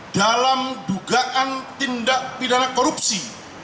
dalam dugaan tindak pidana korupsi